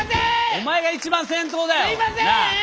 お前が一番先頭だよなあ。